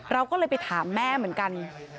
เราก็เลยไปถามแม่เหมือนกัน